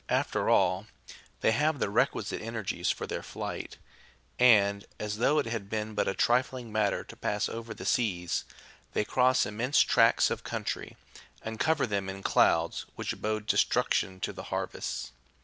After all, they have the requisite energies for their flight ; and, as though it had been but a trifling matter to pass over the seas, they cross im mense tracts of country, and cover them in clouds which bode destruction to the harvests.